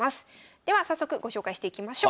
では早速ご紹介していきましょう。